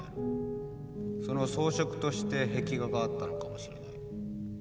その装飾として壁画があったのかもしれない。